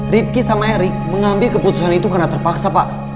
rifki sama erik mengambil keputusan itu karena terpaksa pak